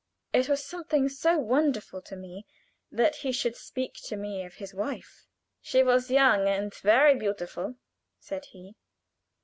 It was something so wonderful to me that he should speak to me of his wife. "She was young and very beautiful," said he.